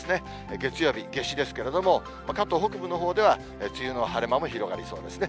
月曜日、夏至ですけれども、関東北部のほうでは梅雨の晴れ間も広がりそうですね。